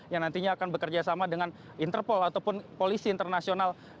yang nantinya akan bekerjasama dengan interpol ataupun polisi internasional